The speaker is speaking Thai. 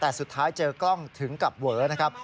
แต่สุดท้ายเจอกล้องถึงกับเวอนะครับ